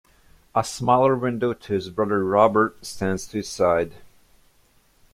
A smaller window to his brother Robert stands to its side.